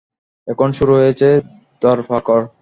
এখন শুরু হয়েছে ধরপাকড়।